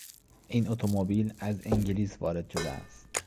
این اتومبیل از انگلیس وارد شده است.